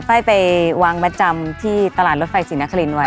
ไฟล์ไปวางประจำที่ตลาดรถไฟศรีนครินไว้